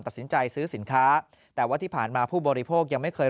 ตัดสินใจซื้อสินค้าแต่ว่าที่ผ่านมาผู้บริโภคยังไม่เคย